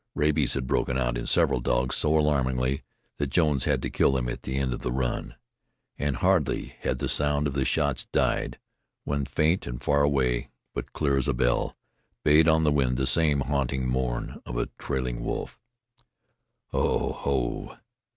Rabies had broken out in several dogs so alarmingly that Jones had to kill them at the end of the run. And hardly had the sound of the shots died when faint and far away, but clear as a bell, bayed on the wind the same haunting mourn of a trailing wolf. "Ho! Ho!